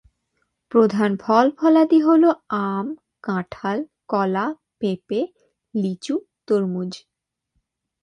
প্রধান ফল-ফলাদি হল আম, কাঁঠাল, কলা, পেঁপে, লিচু, তরমুজ।